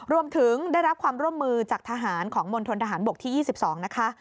รวมถึงได้รับความร่วมมือจากทหารของมณฑนทหารบกที่๒๒นะคะ